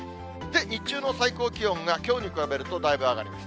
日中の最高気温がきょうに比べるとだいぶ上がります。